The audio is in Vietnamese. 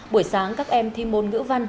buổi sáng các em thi môn ngữ văn